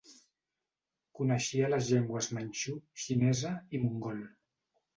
Coneixia les llengües manxú, xinesa i mongol.